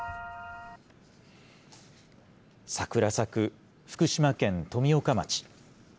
桜咲く福島県富岡町。